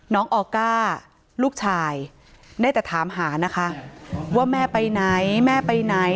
น้องออก้าลูกชายได้แต่ถามหานะคะว่าแม่ไปไหนแม่ไปไหน